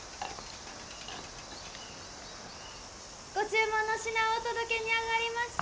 ご注文の品をお届けにあがりました。